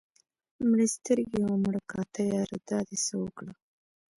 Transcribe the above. مړې سترګې او مړه کاته ياره دا دې څه اوکړه